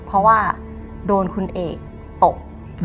เพราะว่าโดนคุณเอกตบ